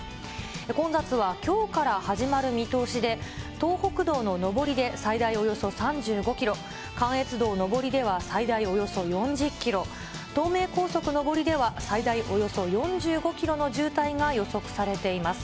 混雑はきょうから始まる見通しで、東北道の上りで最大およそ３５キロ、関越道上りでは最大およそ４０キロ、東名高速上りでは最大およそ４５キロの渋滞が予測されています。